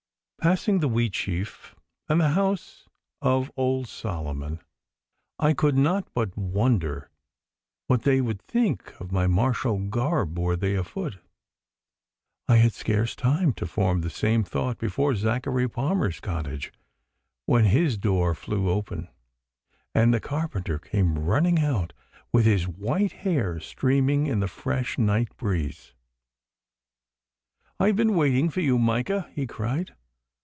Passing the Wheatsheaf and the house of old Solomon, I could not but wonder what they would think of my martial garb were they afoot. I had scarce time to form the same thought before Zachary Palmer's cottage when his door flew open, and the carpenter came running out with his white hair streaming in the fresh night breeze. 'I have been awaiting you, Micah,' he cried.